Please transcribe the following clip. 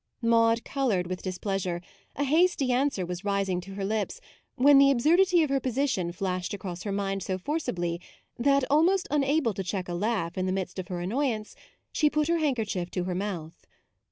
Maude coloured with displeasure; a hasty answer was rising to her lips MAUDE 61 when the absurdity of her position flashed across her mind so forcibly that, almost unable to check a laugh in the midst of her annoyance, she put her handkerchief to her mouth.